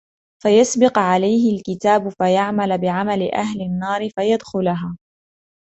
فَيَسْبِقَ عَلَيْهِ الْكِتَابُ، فَيَعْمَلَ بِعَمَلِ أَهْلِ النَّارِ فيَدْخُلَهَا